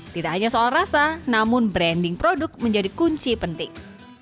tidak hanya soal rasa namun branding produk menjadi kunci penting